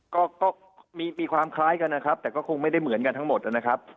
ก็มีความคล้ายกันนะครับแต่ก็คงไม่ได้เหมือนกันทั้งหมดนะครับ